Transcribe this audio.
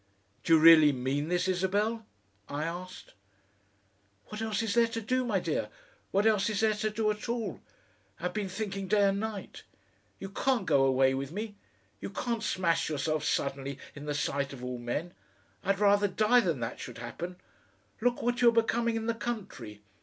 "Do you really mean this, Isabel?" I asked. "What else is there to do, my dear? what else is there to do at all? I've been thinking day and night. You can't go away with me. You can't smash yourself suddenly in the sight of all men. I'd rather die than that should happen. Look what you are becoming in the country!